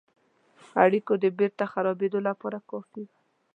اړېکو د بیرته خرابېدلو لپاره کافي وه.